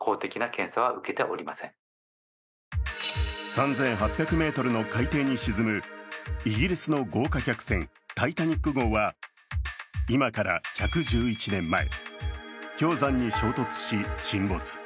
３８００ｍの海底に沈むイギリスの豪華客船「タイタニック」号は、今から１１１年前、氷山に衝突し沈没。